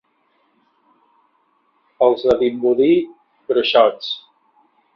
Els de Vimbodí, bruixots.